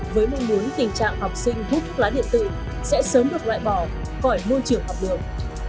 với mong muốn tình trạng học sinh hút thuốc lá điện tử sẽ sớm được loại bỏ khỏi môi trường học đường